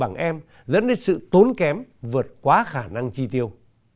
bằng em dẫn đến sự tốn kém vượt quá khả năng chi tiêu